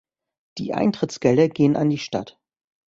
Die Eintrittsgelder gehen an die Stadt.